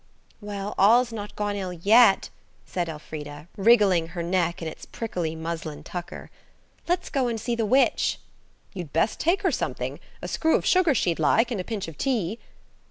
"Well, all's not gone ill yet," said Elfrida, wriggling her neck in its prickly muslin tucker. "Let's go and see the witch." "You'd best take her something–a screw of sugar she'd like, and a pinch of tea."